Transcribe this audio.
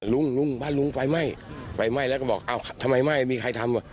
ลุงลุงบ้านลุงไฟไหม้ไฟไหม้แล้วก็บอกอ้าวทำไมไม่มีใครทำอ่ะ